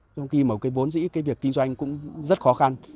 trong khi mà cái vốn dĩ cái việc kinh doanh cũng rất khó khăn